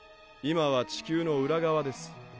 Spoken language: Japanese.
今は地球の裏側です。